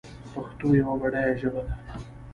پښتو یوه بډایه ژبه ده